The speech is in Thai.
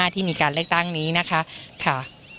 ที่มีการเลือกตั้งนี้นะคะ